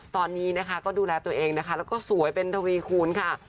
ตอนนี้นะคะก็ดูแลตัวเองนะคะแล้วก็สวยเป็นทวีคูณค่ะ